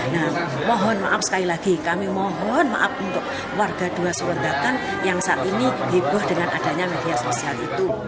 nah mohon maaf sekali lagi kami mohon maaf untuk warga dua solendakan yang saat ini heboh dengan adanya media sosial itu